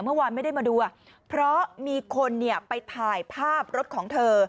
เมื่อวานไม่ได้มาดูเพราะมีคนไปถ่ายภาพรถของเธอ